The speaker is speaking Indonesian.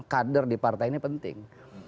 kader di partai ini penting